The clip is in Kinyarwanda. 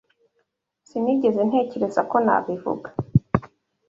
Sinigeze ntekereza ko nabivuga.